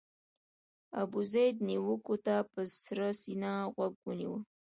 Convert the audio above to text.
ابوزید نیوکو ته په سړه سینه غوږ ونیو.